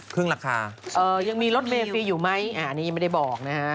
ราคายังมีรถเมฟรีอยู่ไหมอันนี้ยังไม่ได้บอกนะฮะ